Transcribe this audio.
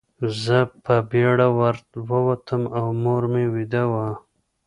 زه په بېړه ور ووتم او مور مې ویده وه